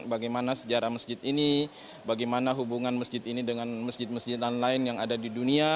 bagaimana sejarah masjid ini bagaimana hubungan masjid ini dengan masjid masjid lain yang ada di dunia